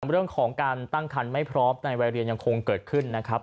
เรื่องของการตั้งคันไม่พร้อมในวัยเรียนยังคงเกิดขึ้นนะครับ